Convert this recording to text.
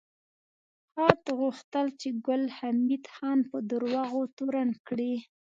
خاد غوښتل چې ګل حمید خان په دروغو تورن کړي